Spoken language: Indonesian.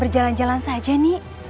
jalan jalan saja nek